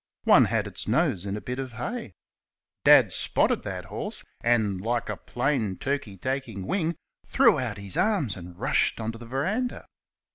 One had its nose in a bit of hay. Dad spotted that horse and, like a plain turkey taking wing, threw out his arms and rushed on to the verandah.